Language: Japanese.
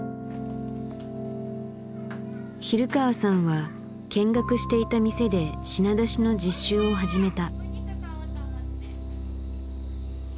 比留川さんは見学していた店で品出しの実習を始めた。